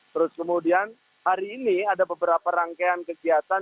terus kemudian hari ini ada beberapa rangkaian kegiatan